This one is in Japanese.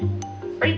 はい！